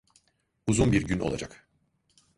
Uzun bir gün olacak.